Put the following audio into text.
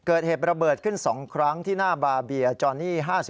เกิดเหตุระเบิดขึ้น๒ครั้งที่หน้าบาเบียจอนี่๕๔